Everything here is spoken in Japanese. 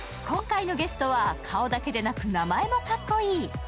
今回のゲストは顔だけでなく名前もかっこいい！